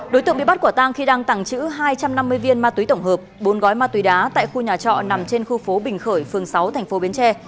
đối tượng bị bắt quả tang khi đang tàng trữ hai trăm năm mươi viên ma túy tổng hợp bốn gói ma túy đá tại khu nhà trọ nằm trên khu phố bình khởi phường sáu tp bến tre